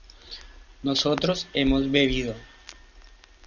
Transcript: nosotros hemos bebido